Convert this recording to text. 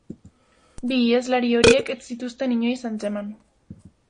Bi iheslari horiek ez zituzten inoiz atzeman.